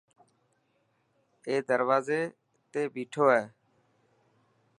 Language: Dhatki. اي دروازي تي ٻيٺو هي.